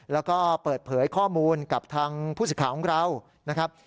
แล้วก็เปิดเผยข้อมูลกับทางผู้สิทธิ์ของเรานะครับ